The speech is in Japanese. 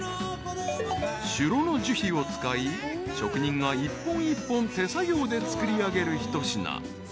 ［シュロの樹皮を使い職人が一本一本手作業で作りあげる一品］